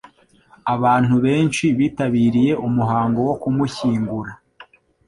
Abantu benshi bitabiriye umuhango wo kumushyingura.